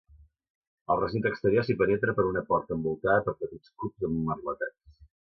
Al recinte exterior si penetra per una porta envoltada per petits cubs emmerletats.